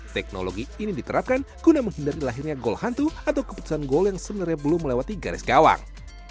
teknologi ini diterapkan guna menghindari lahirnya gol hantu atau keputusan gol yang sebenarnya belum melewati garis gawang